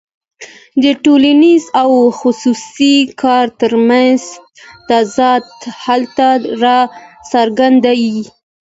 د ټولنیز او خصوصي کار ترمنځ تضاد هلته راڅرګندېږي